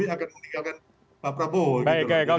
atau pak jokowi akan meninggalkan pak prabowo